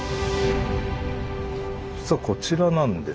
実はこちらなんですけれども。